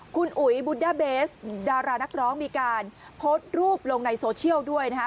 คุณอุ๋ยบุตด้าเบสดารานักร้องมีการโพสต์รูปลงในโซเชียลด้วยนะคะ